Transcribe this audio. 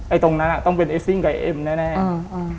ตรงนั้นอ่ะต้องเป็นเอสซิ่งกับเอ็มแน่แน่อืม